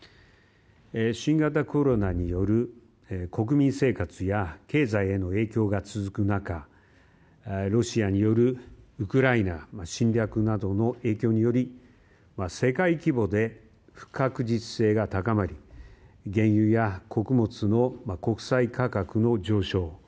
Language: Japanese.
新型コロナによる国民生活や経済への影響が続く中ロシアによるウクライナ侵略などの影響により世界規模で不確実性が高まり原油や穀物の国際価格の上昇